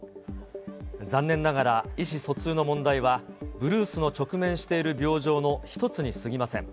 残念ながら、意思疎通の問題はブルースの直面している病状の一つにすぎません。